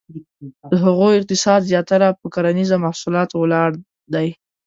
د هغو اقتصاد زیاتره په کرنیزه محصولاتو ولاړ دی.